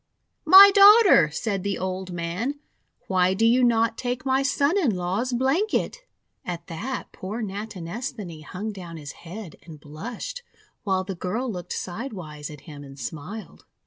"My Daughter," said the old man, "why do you not take my son in law's blanket?' At that poor Natinesthani hung down his head and blushed, while the girl looked side wise at him and smiled.